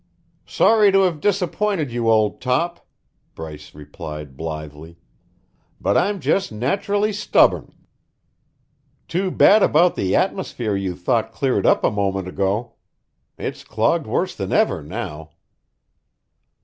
"Sorry to have disappointed you, old top," Bryce replied blithely, "but I'm just naturally stubborn. Too bad about the atmosphere you thought cleared a moment ago! It's clogged worse than ever now."